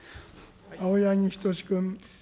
青柳仁士君。